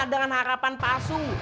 dengan harapan palsu